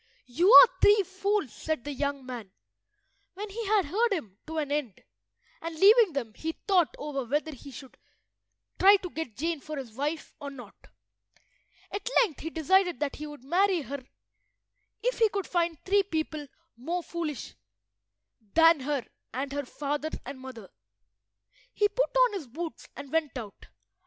"You are three fools," said the young man, when he had heard him to an end, and leaving them, he thought over whether he should try to get Jane for his wife or not. At length he decided that he would marry her if he could find three people more foolish than her and her father and mother. He put on his boots and went out.